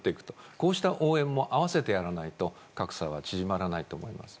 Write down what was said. こうした応援も併せてやらないと格差は縮まらないと思います。